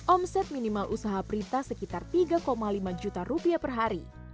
omset minimal usaha prita sekitar tiga lima juta rupiah per hari